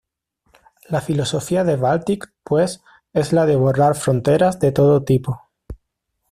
La filosofía de Baltic, pues, es la de borrar fronteras de todo tipo.